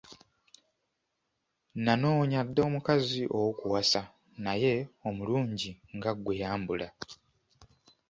Nanoonya dda omukazi ow’okuwasa, naye omulungi nga ggwe yambula!